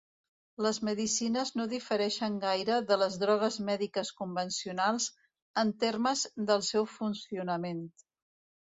Les medicines no difereixen gaire de les drogues mèdiques convencionals en termes del seu funcionament.